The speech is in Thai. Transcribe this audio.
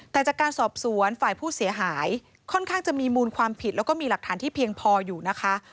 แต่จากการสอบสวนฝ่ายผู้เสียหายค่อนข้างจะมีมูลความผิดแล้วก็มีหลักฐานที่เพียงพออยู่นะคะ